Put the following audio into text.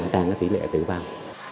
đang có tỷ lệ tiểu cào